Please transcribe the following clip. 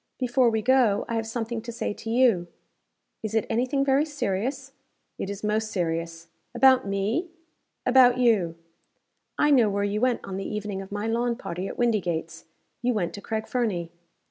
Before we go, I have something to say to you." "Is it any thing very serious?" "It is most serious." "About me?" "About you. I know where you went on the evening of my lawn party at Windygates you went to Craig Fernie."